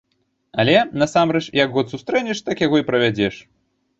Але, насамрэч, як год сустрэнеш, так яго і правядзеш.